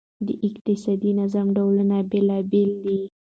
د اقتصادي نظام ډولونه بېلابیل دي.